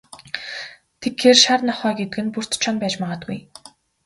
Тэгэхээр, шар нохой гэдэг нь Бөртэ Чоно байж магадгүй.